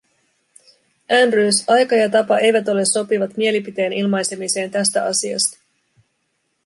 Andrews, aika ja tapa eivät ole sopivat mielipiteen ilmaisemiseen tästä asiasta.